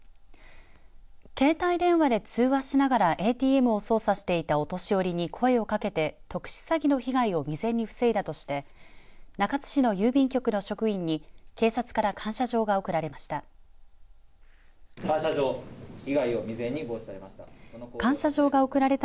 携帯電話で通話しながらＡＴＭを操作していたお年寄りに声をかけて特殊詐欺の被害を未然に防いだとして中津市の郵便局の職員に警察から感謝状が贈られました。